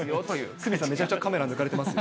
鷲見さん、めちゃくちゃカメラ抜かれてますよ。